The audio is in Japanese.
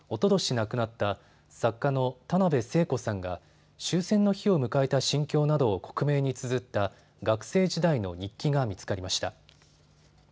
亡くなった作家の田辺聖子さんが終戦の日を迎えた心境などを克明につづった学生時代の日記が見つかりました。